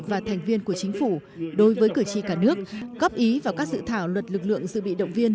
và thành viên của chính phủ đối với cử tri cả nước góp ý vào các dự thảo luật lực lượng dự bị động viên